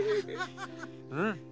うん。